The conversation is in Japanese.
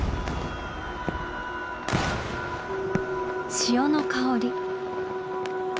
潮の香り。